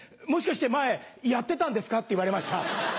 もしかして前やってたんですか？」って言われました。